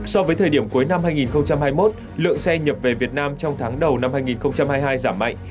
so với thời điểm cuối năm hai nghìn hai mươi một lượng xe nhập về việt nam trong tháng đầu năm hai nghìn hai mươi hai giảm mạnh